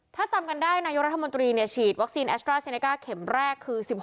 ถ้าจำกันได้นายกรัฐมนตรีฉีดวัคซีนแอสตราเซเนก้าเข็มแรกคือ๑๖